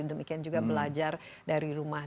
demikian juga belajar dari rumah